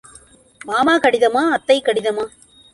மாமா கடிதமா, அத்தை கடிதமா?